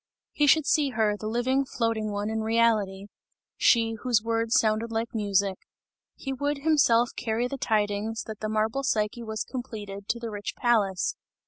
He should see her, the living, floating one, in reality; she, whose words sounded like music. He would himself carry the tidings, that the marble Psyche was completed, to the rich palace.